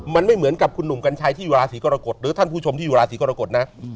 มันไม่เหมือนกับคุณหนุ่มกัญชัยที่อยู่ราศีกรกฎหรือท่านผู้ชมที่อยู่ราศีกรกฎนะ